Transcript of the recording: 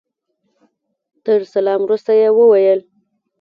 تر سلام وروسته يې وويل.